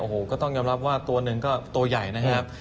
โอ้โหก็ต้องยอมรับว่าตัวหนึ่งก็ตัวใหญ่นะครับ